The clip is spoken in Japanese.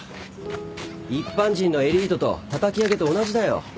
一般人のエリートとたたき上げと同じだよ。